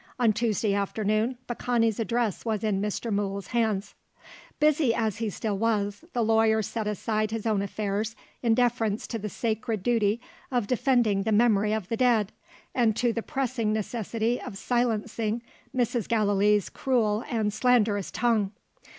On Tuesday afternoon, Baccani's address was in Mr. Mool's hands. Busy as he still was, the lawyer set aside his own affairs, in deference to the sacred duty of defending the memory of the dead, and to the pressing necessity of silencing Mrs. Gallilee's cruel and slanderous tongue.